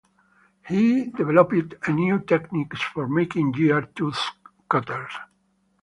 He developed a new technique for making gear-tooth cutters.